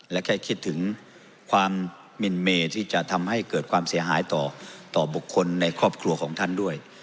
และแค่คิดถึงความมินเมที่จะทำให้เกิดความเสียหายต่อบุคคลในครอบครัวของท่านด้วย